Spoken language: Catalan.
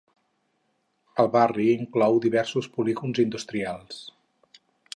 El barri inclou diversos polígons industrials.